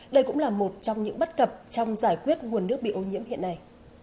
đây cũng là một trong những bất cập trong giải quyết nguồn nước bị ô nhiễm hiện nay